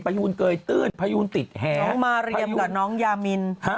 ยูนเกยตื้นพยูนติดแหงน้องมาเรียมกับน้องยามิน